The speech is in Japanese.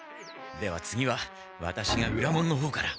では次はワタシが裏門の方から。